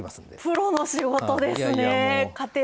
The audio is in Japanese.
プロの仕事ですね！